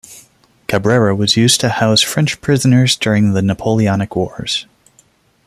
Cabrera was used to house French prisoners during the Napoleonic Wars.